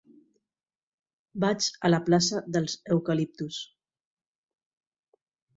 Vaig a la plaça dels Eucaliptus.